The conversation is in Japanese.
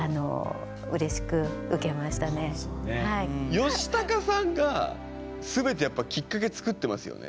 ヨシタカさんが全てやっぱきっかけ作ってますよね。